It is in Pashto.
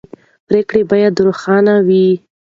پرېکړې باید روښانه وي